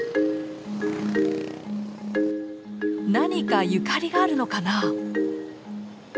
何かゆかりがあるのかな？